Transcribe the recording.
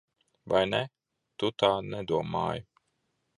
Vai ne? Tu tā nedomāji.